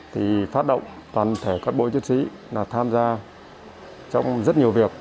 thì phát động toàn thể cán bộ chiến sĩ là tham gia trong rất nhiều việc